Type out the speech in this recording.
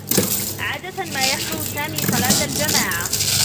عادة ما يحضر سامي صلاة الجماعة.